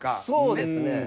そうですね。